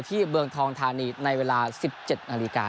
เมืองทองธานีในเวลา๑๗นาฬิกา